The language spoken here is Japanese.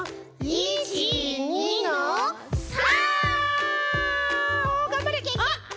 １２の３！